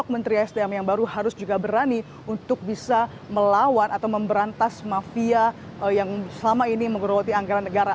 menteri sdm yang baru harus juga berani untuk bisa melawan atau memberantas mafia yang selama ini menggeroti anggaran negara